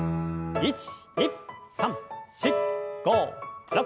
１２３４５６。